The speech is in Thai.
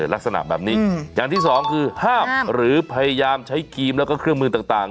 ลักษณะแบบนี้อย่างที่สองคือห้ามหรือพยายามใช้ครีมแล้วก็เครื่องมือต่าง